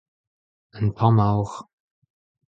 un tamm aour.